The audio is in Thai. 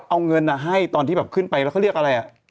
เอาเงินให้ตอนที่แบบขึ้นไปแล้วเขาเรียกอะไรอ่ะ